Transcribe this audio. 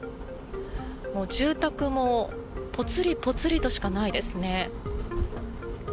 住宅もぽつりぽつりとしかないですね。